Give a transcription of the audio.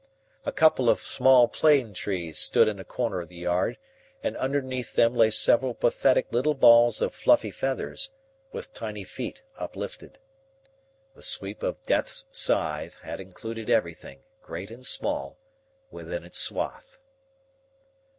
A couple of small plane trees stood in the corner of the yard, and underneath them lay several pathetic little balls of fluffy feathers, with tiny feet uplifted. The sweep of death's scythe had included everything, great and small, within its swath.